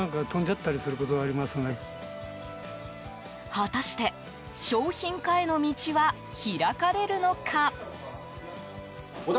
果たして商品化への道は開かれるのか。